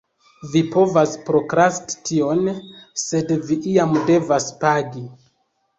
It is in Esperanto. Vi povas prokrasti tion, sed vi iam devas pagi.